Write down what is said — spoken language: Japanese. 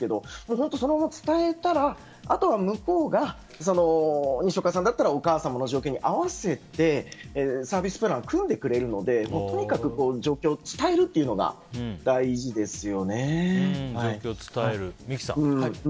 本当そのまま伝えたらあとは向こうが例えば、にしおかさんだったらお母様の条件に合わせてサービスプランを組んでくれるのでとにかく状況を伝えるというのが三木さん